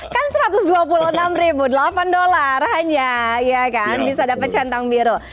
kan satu ratus dua puluh enam delapan dolar hanya bisa dapet centang biru